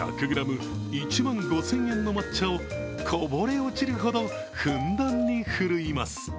１００ｇ１万５０００円の抹茶を、こぼれ落ちるほどふんだんにふるいます。